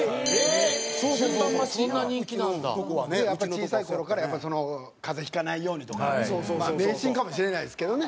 小さい頃からやっぱ風邪引かないようにとか迷信かもしれないですけどね。